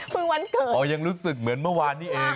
วันเกิดอ๋อยังรู้สึกเหมือนเมื่อวานนี้เอง